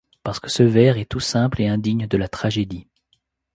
Parce que ce vers est tout simple et indigne de la tragédie.